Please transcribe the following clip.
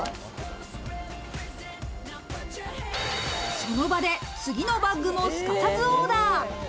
その場で次のバッグもすかさずオーダー。